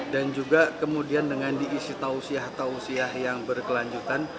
dan juga kemudian dengan diisi tausiah tausiah yang berkelanjutan